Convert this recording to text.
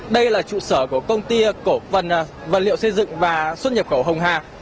đây là trụ sở của công ty cổ phần vật liệu xây dựng và xuất nhập khẩu hồng hà